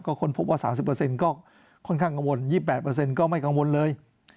ค้นพบว่า๓๐ก็ค่อนข้างกังวล๒๘ก็ไม่กังวลเลย